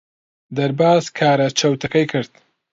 دەرباز کارە چەوتەکەی کرد.